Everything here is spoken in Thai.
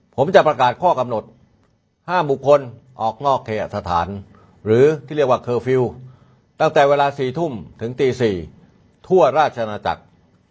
ผมจะประกาศข้อกำหนดห้ามบุคคลออกนอกเคหสถานหรือที่เรียกว่าเคอร์ฟิลล์ตั้งแต่เวลา๔ทุ่มถึงตี๔ทั่วราชนาจักร